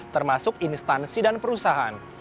termasuk instansi dan perusahaan